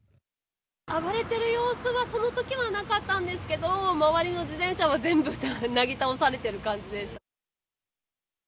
暴れてる様子はそのときはなかったんですけど、周りの自転車は、全部なぎ倒されてる感じです。